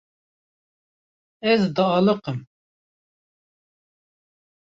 Ez dialiqim.